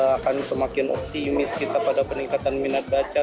akan semakin optimis kita pada peningkatan minat baca